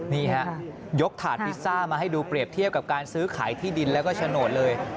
นี่ฮะยกถาดพิซซ่ามาให้ดูเปรียบเทียบกับการซื้อขายที่ดินแล้วก็โฉนดเลย